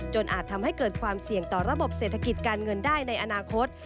อาจทำให้เกิดความเสี่ยงต่อระบบเศรษฐกิจการเงินได้ในอนาคต